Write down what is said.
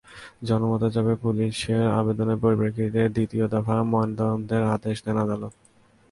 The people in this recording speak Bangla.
জনমতের চাপে পুলিশের আবেদনের পরিপ্রেক্ষিতে দ্বিতীয় দফা ময়নাতদন্তের নির্দেশ দেন আদালত।